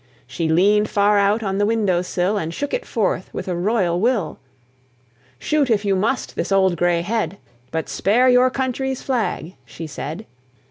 She leaned far out on the window sill, And shook it forth with a royal will. "Shoot, if you must, this old gray head, But spare your country's flag," she said.